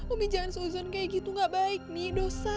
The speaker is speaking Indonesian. umi jangan seuzan kayak gitu gak baik nih dosa